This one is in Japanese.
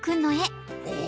お！